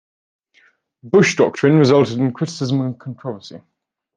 The Bush Doctrine resulted in criticism and controversy.